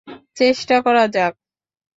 চেষ্টা করা যাক।